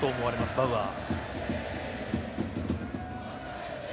バウアー。